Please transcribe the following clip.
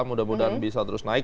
mudah mudahan bisa terus naik